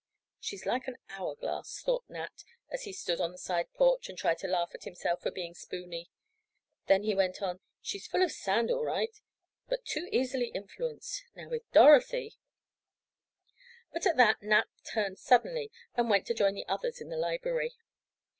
"She's like an hour glass," thought Nat, as he stood on the side porch and tried to laugh at himself for being "spoony." Then he went on: "She's full of 'sand' all right, but too easily influenced. Now with Dorothy—" But at that Nat turned suddenly and went to join the others in the library.